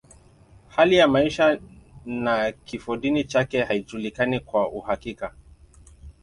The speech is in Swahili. Hali ya maisha na kifodini chake haijulikani kwa uhakika.